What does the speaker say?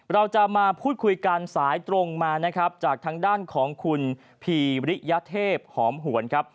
เราจะมาพูดคุยกันสายตรงมานะครับจากทางด้านของคุณพีริยเทพหอมหวนครับ